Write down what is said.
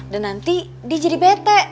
dan nanti dia jadi better